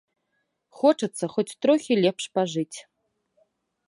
Хочацца хоць трохі лепш пажыць.